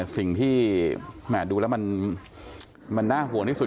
สิ่งที่ดูแล้วมันน่าห่วงที่สุด